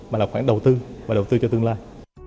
mà là khoản đầu tư và đầu tư cho tương lai